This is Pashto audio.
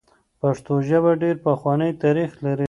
پښتو ژبه ډېر پخوانی تاریخ لري.